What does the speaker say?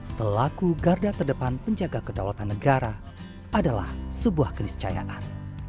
selaku garda terdepan penjaga kedaulatan negara adalah sebuah keniscayaan